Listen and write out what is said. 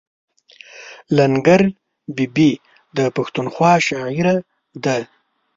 لنګر بي بي د پښتونخوا شاعره ده.